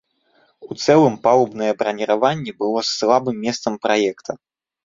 У цэлым, палубнае браніраванне было слабым месцам праекта.